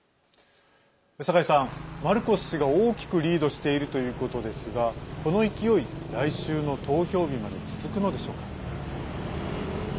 酒井さん、マルコス氏が大きくリードしているということですがこの勢い、来週の投票日まで続くのでしょうか？